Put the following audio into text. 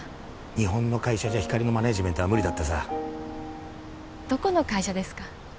日本の会社じゃひかりのマネージメントは無理だってさどこの会社ですか？